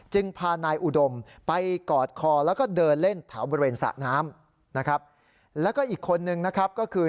พานายอุดมไปกอดคอแล้วก็เดินเล่นแถวบริเวณสระน้ำนะครับแล้วก็อีกคนนึงนะครับก็คือ